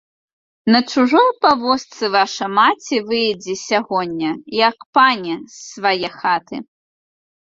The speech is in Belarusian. На чужой павозцы ваша маці выедзе сягоння, як пані, з свае хаты!